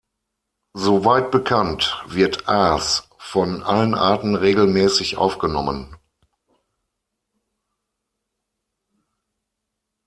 Soweit bekannt, wird Aas von allen Arten regelmäßig aufgenommen.